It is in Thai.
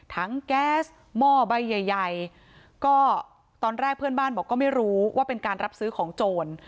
แก๊สหม้อใบใหญ่ใหญ่ก็ตอนแรกเพื่อนบ้านบอกก็ไม่รู้ว่าเป็นการรับซื้อของโจร